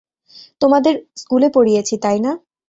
তোমাদের স্কুলে পড়িয়েছি, তাই না?